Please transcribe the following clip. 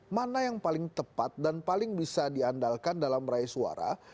mana yang paling tepat dan paling bisa diandalkan dalam meraih suara